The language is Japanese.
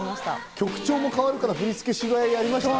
曲調も変わるから振り付けのしがいがありますか？